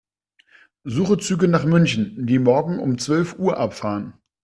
Suche Züge nach München, die morgen um zwölf Uhr abfahren.